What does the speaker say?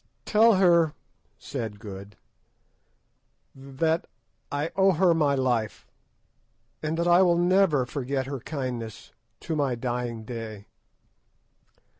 "Tell her," said Good, "that I owe her my life, and that I will never forget her kindness to my dying day."